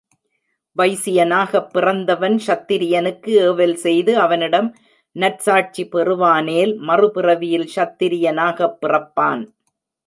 வைசியனாகப் பிறந்தவன் கூடித்திரியனுக்கு ஏவல் செய்து அவனிடம் நற்சாட்சி பெறுவானேல் மறுபிறவியில் கூடித்திரியனாகப் பிறப்பான்.